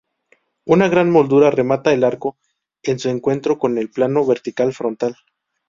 Una gran moldura remata el arco en su encuentro con el plano vertical frontal.